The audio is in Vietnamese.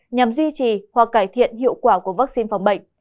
nhằm duy trì hoặc cải thiện hiệu quả của vaccine phòng bệnh